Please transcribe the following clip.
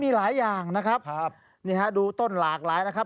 มีหลายอย่างนะครับดูต้นหลากหลายนะครับ